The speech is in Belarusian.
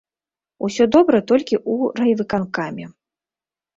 Усё добра толькі ў райвыканкаме.